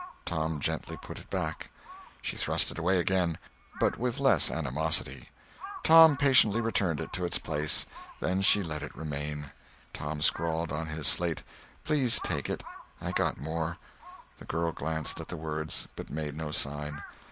Tom gently put it back. She thrust it away again, but with less animosity. Tom patiently returned it to its place. Then she let it remain. Tom scrawled on his slate, "Please take it—I got more." The girl glanced at the words, but made no sign.